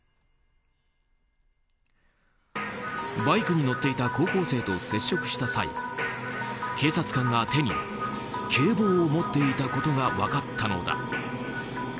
バイクに乗っていた高校生と接触した際警察官が手に警棒を持っていたことが分かったのだ。